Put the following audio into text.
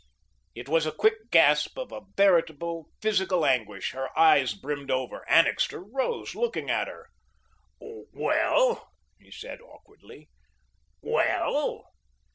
It was a quick gasp of a veritable physical anguish. Her eyes brimmed over. Annixter rose, looking at her. "Well?" he said, awkwardly, "Well?"